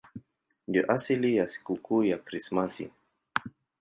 Ndiyo asili ya sikukuu ya Krismasi.